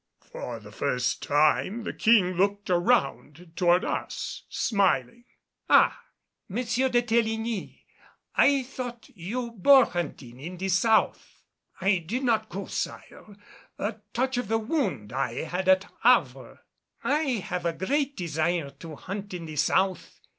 For the first time the King looked around toward us, smiling. "Ah, M. de Teligny, I thought you boar hunting in the South." "I did not go, Sire. A touch of the wound I had at Havre." "I have a great desire to hunt in the South."